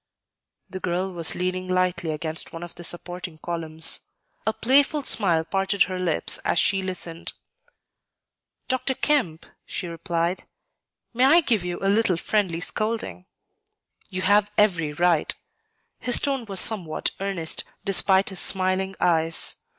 The girl was leaning lightly against one of the supporting columns. A playful smile parted her lips as she listened. "Dr. Kemp," she replied, "may I give you a little friendly scolding?" "You have every right." His tone was somewhat earnest, despite his smiling eyes.